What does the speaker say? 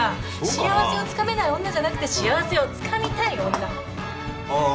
『幸せをつかめない女』じゃなくて『幸せをつかみたい女』ああ。